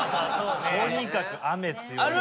とにかく雨強いですし。